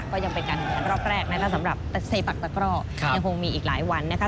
ก็ยังเป็นการแข่งขันรอบแรกนะคะสำหรับเซปักตะกร่อยังคงมีอีกหลายวันนะคะ